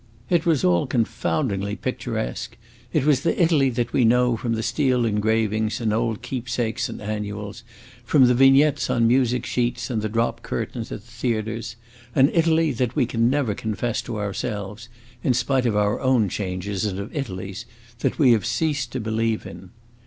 It all was confoundingly picturesque; it was the Italy that we know from the steel engravings in old keepsakes and annuals, from the vignettes on music sheets and the drop curtains at theatres; an Italy that we can never confess to ourselves in spite of our own changes and of Italy's that we have ceased to believe in.